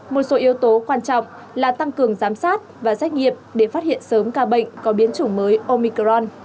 một số yếu tố quan trọng là tăng cường giám sát và xét nghiệm để phát hiện sớm ca bệnh có biến chủng mới omicron